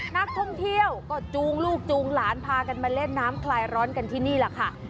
นักท่องเที่ยวก็จูงลูกจูงหลานพากันมาเล่นน้ำคลายร้อนกันที่นี่แหละค่ะ